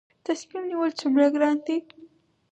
تصمیم نیول څومره ګران دي؟